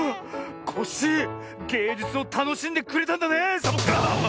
コッシーげいじゅつをたのしんでくれたんだねサボッカーン！